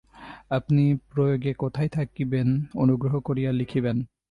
আপনি প্রয়াগে কোথায় থাকিবেন, অনুগ্রহ করিয়া লিখিবেন।